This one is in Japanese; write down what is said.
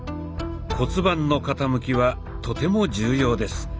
骨盤の傾きはとても重要です。